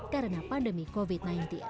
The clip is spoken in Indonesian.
karena pandemi covid sembilan belas